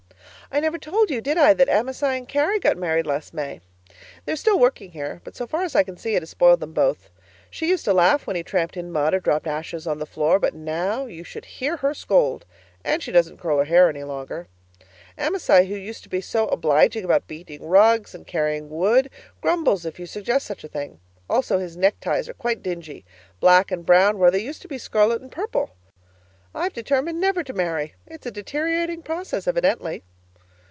I never told you, did I, that Amasai and Carrie got married last May? They are still working here, but so far as I can see it has spoiled them both. She used to laugh when he tramped in mud or dropped ashes on the floor, but now you should hear her scold! And she doesn't curl her hair any longer. Amasai, who used to be so obliging about beating rugs and carrying wood, grumbles if you suggest such a thing. Also his neckties are quite dingy black and brown, where they used to be scarlet and purple. I've determined never to marry. It's a deteriorating process, evidently.